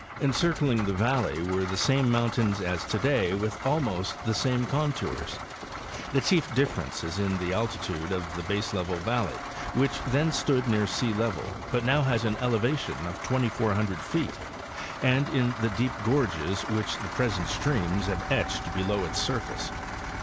En circling the valley were the same mountains as today with almost the same contours. The chief difference is in the altitude of the baseleveled valley, which then stood near sealevel, but now has an elevation of 2,400 feet, and in the deep gorges which the present streams have etched below its surface.